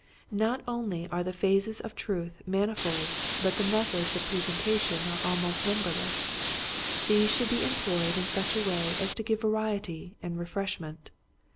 Not only are the phases of truth mani fold but the methods of presentation are almost numberless. These should be em ployed in such a way as to give variety and refreshment.